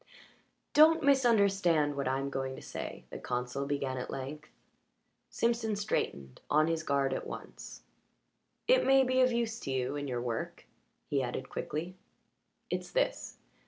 "Don't misunderstand what I'm going to say," the consul began at length. Simpson straightened, on his guard at once. "It may be of use to you in your work," he added quickly. "It's this.